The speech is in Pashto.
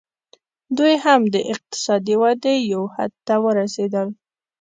دوی هم د اقتصادي ودې یو حد ته ورسېدل